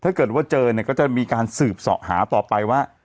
ถ้าเกิดว่าเจอเนี่ยก็จะมีการสืบเสาะหาต่อไปว่า